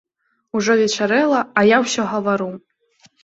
Ужо вечарэла, а я ўсё гавару!